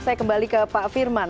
saya kembali ke pak firman